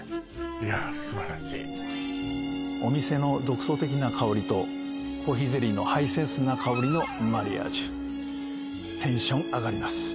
いや素晴らしいお店の独創的な香りとコーヒーゼリーのハイセンスな香りのマリアージュテンション上がります